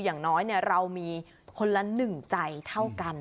อย่างน้อยเรามีคนละหนึ่งใจเท่ากัน